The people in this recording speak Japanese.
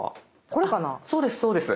そうですそうです。